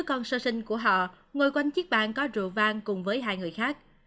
ông johnson đã đặt bức ảnh của họ ngồi quanh chiếc bàn có rượu vang cùng với hai người khác